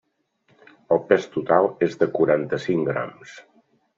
El pes total és de quaranta-cinc grams.